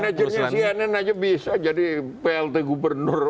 manajernya cnn aja bisa jadi plt gubernur